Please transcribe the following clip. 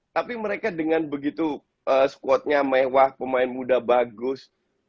tapi mereka dengan begitu squadnya mewah pemain muda bagus